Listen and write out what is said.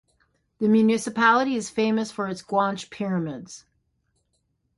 The municipality is famous for its Guanche pyramids.